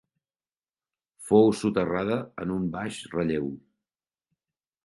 Fou soterrada en un baix relleu.